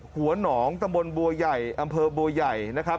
หัวหนองตำบลบัวใหญ่อำเภอบัวใหญ่นะครับ